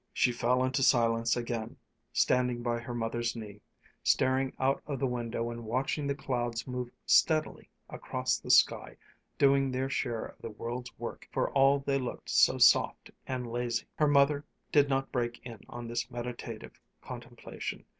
She fell into silence again, standing by her mother's knee, staring out of the window and watching the clouds move steadily across the sky doing their share of the world's work for all they looked so soft and lazy. Her mother did not break in on this meditative contemplation.